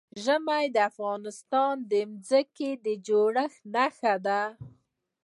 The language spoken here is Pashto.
ژمی د افغانستان د ځمکې د جوړښت نښه ده.